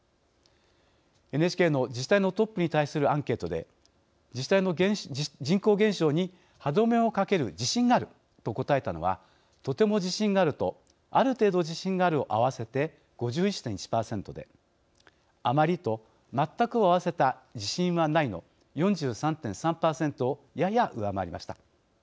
ＮＨＫの自治体のトップに対するアンケートで自治体の人口減少に歯止めをかける「自信がある」と答えたのは「とても自信がある」と「ある程度自信がある」を合わせて５１．１％で「あまり」と「まったく」を合わせた「自信はない」の４３．３％をやや上回りました。